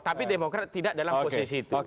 tapi demokrat tidak dalam posisi itu